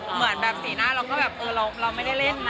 เหมือนแบบสีหน้าเราก็แบบเออเราไม่ได้เล่นนะ